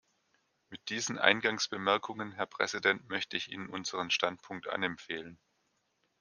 Mit diesen Eingangsbemerkungen, Herr Präsident, möchte ich Ihnen unseren Standpunkt anempfehlen.